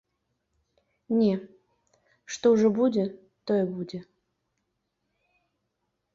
Не, што ўжо будзе, тое будзе.